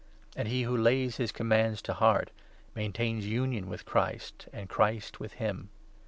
And he who lays his commands to heart maintains, union 24 with Christ, and Christ with him.